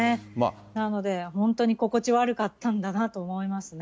なので本当に心地悪かったんだなと思いますね。